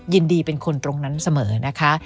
เป็นคนตรงนั้นเสมอนะคะ